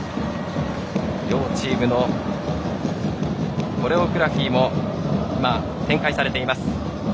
両チームのコレオグラフィーも展開されています。